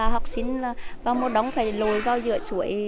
học sinh vào một đống phải lồi vào giữa suối